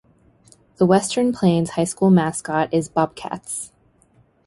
The Western Plains High School mascot is Bobcats.